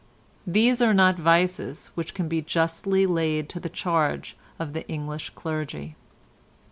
These are not vices which can be justly laid to the charge of the English clergy.